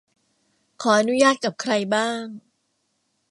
ขออนุญาตกับใครบ้าง